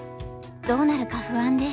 どうなるか不安で。